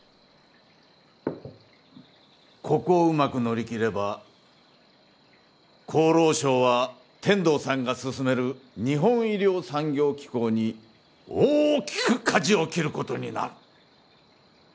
ここをうまく乗り切れば厚労省は天堂さんが進める日本医療産業機構に大きく舵を切る事になる。